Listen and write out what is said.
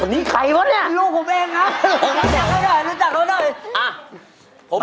นี่ใครวะนี่เห็นลูกผมเองนะเห็นจากนั่นอ่ะ